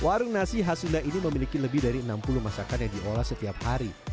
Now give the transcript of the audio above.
warung nasi hasunda ini memiliki lebih dari enam puluh masakan yang diolah setiap hari